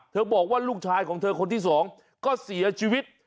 บอกว่าลูกชายของเธอคนที่สองก็เสียชีวิต